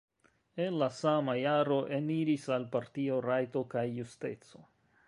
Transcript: En la sama jaro eniris al partio Rajto kaj Justeco.